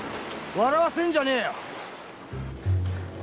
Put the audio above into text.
笑わせんじゃねえよ！